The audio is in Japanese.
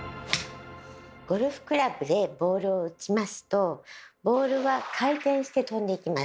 ゴルフクラブでボールを打ちますとボールは回転して飛んでいきます。